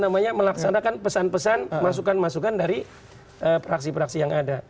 melaksanakan pesan pesan masukan masukan dari praksi praksi yang ada